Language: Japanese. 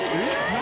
何？